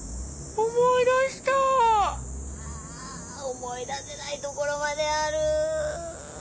思い出せないところまである。